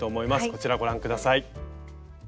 こちらご覧下さい。